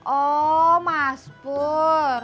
oh mas pur